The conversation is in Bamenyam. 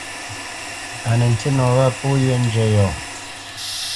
Á nə ntî nɔ wâ pó yē njə́ yɔ̂.